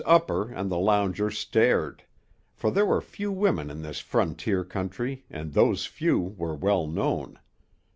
Upper and the loungers stared, for there were few women in this frontier country and those few were well known.